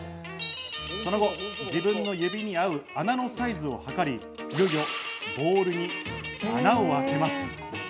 その後、自分の指に合う穴のサイズを測り、いよいよボールに穴を開けます。